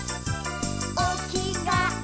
「おきがえ